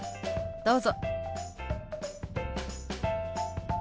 どうぞ。